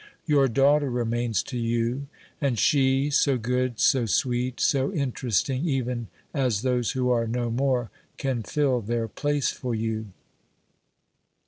Your daughter remains to you, and she, 230 OBERMANN so good, so sweet, so interesting, even as those who are no more, can fill their place for you.